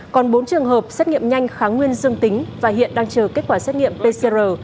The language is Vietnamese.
còn bốn trường hợp xét nghiệm nhanh kháng nguyên dương tính và hiện đang chờ kết quả xét nghiệm pcr